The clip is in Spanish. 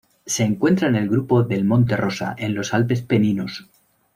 Se encuentra en el grupo del Monte Rosa en los Alpes Peninos.